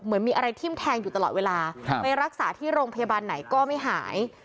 เหมือนมีอะไรทิ้มแทงอยู่ตลอดเวลาไปรักษาที่โรงพยาบาลไหนก็ไม่หาย